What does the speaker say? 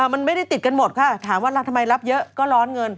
มันไม่ได้ติดกันหมดค่ะถามว่าทำไมรับเยอะก็ร้อนเงิน